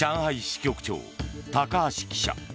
支局長、高橋記者。